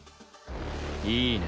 いいね